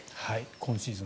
今シーズン